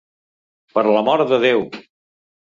Per l"amor de Déu.